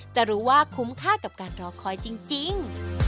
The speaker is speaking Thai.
จะรู้ว่าคุ้มค่ากับการรอคอยจริง